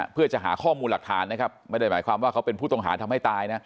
เพื่อจะหาข้อมูลหลักฐานนะครับไม่ได้หมายความว่าเขาเป็นผู้ต้องหาทำให้ตายนะ